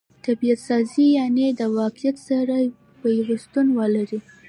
طبعت سازي؛ یعني د واقعیت سره پیوستون ولري.